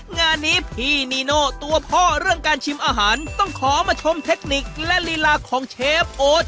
งานนี้พี่นีโน่ตัวพ่อเรื่องการชิมอาหารต้องขอมาชมเทคนิคและลีลาของเชฟโอ๊ต